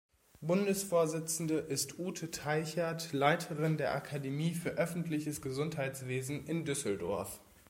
Bundesvorsitzende ist Ute Teichert, Leiterin der Akademie für öffentliches Gesundheitswesen in Düsseldorf.